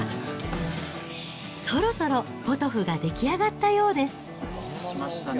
そろそろ、ポトフが出来上がったようです。